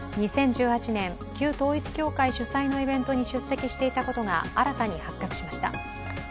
２０１８年、旧統一教会主催のイベントに出席していたことが新たに発覚しました。